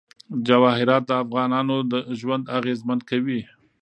جواهرات د افغانانو ژوند اغېزمن کوي.